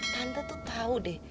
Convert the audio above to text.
tante tuh tau deh